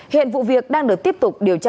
hiện vụ việc đang được tiếp tục điều khiển